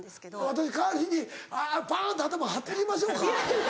私代わりにパン！って頭はたきましょうか？